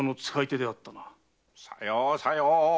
さようさよう！